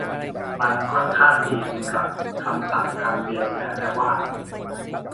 มันค่อนข้างดีสำหรับคำสั่งคำเดียวและแม้ว่า